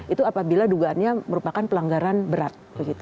itu apabila dugaannya merupakan pelanggaran berat